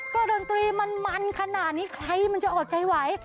ก็ดนตรีมันมันขนาดนี้ใครมันจะอดใจไหว